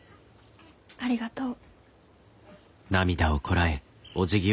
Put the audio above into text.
ありがとう。